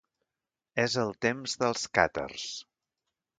És el temps dels càtars.